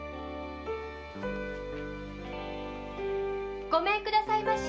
〕ごめんくださいまし！